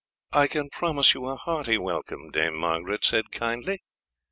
"I can promise you a hearty welcome," Dame Margaret said kindly.